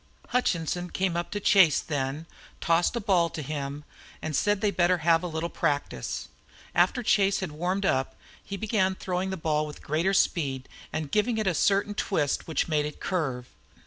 Hutchinson came up to Chase then, tossed a ball to him, and said they had better have a little practice. After Chase had warmed up he began throwing the ball with greater speed and giving it a certain twist which made it curve.